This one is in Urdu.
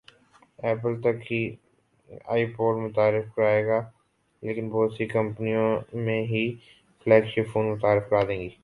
ایپل تک ہی آئی پوڈ متعارف کرائے گا لیکن بہت سی کمپنیاں میں ہی فلیگ شپ فون متعارف کرا دیں گی